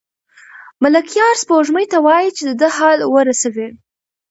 ملکیار سپوږمۍ ته وايي چې د ده حال ورسوي.